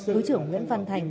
thứ trưởng nguyễn văn thành